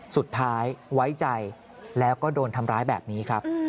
สุดท้ายไว้ใจแล้วก็โดนทำร้ายแบบนี้ครับ